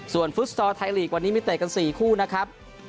ส่วนฟุตซอร์ไทยลีกวันนี้มีเตะกัน๔คู่นะครับ